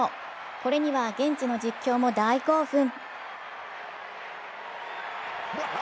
これには現地の実況も大興奮。